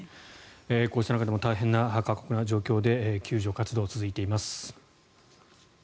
こうした中でも大変な過酷な状況で救助活動が続いています。